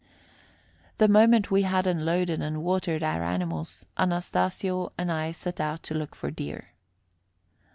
The moment we had unloaded and watered our animals, Anastasio and I set out to look for deer.